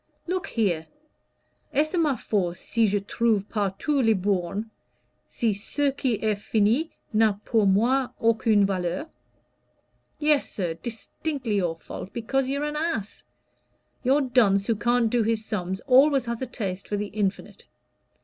Look here! 'Est ce ma faute, si je trouve partout les bornes, si ce qui est fini n'a pour moi aucune valeur?' Yes, sir, distinctly your fault, because you're an ass. Your dunce who can't do his sums always has a taste for the infinite.